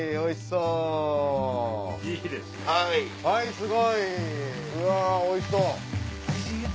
すごい！うわおいしそう。